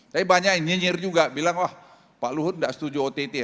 tapi banyak yang nyinyir juga bilang wah pak luhut nggak setuju ott